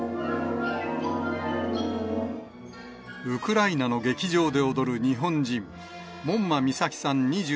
ウクライナの劇場で踊る日本人、門馬美沙希さん